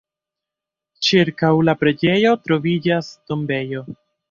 Ĉirkaŭ la preĝejo troviĝas tombejo.